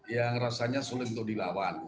yang rasanya sulit untuk dilawan